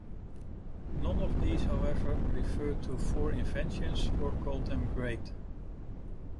None of these, however, referred to four inventions or called them great.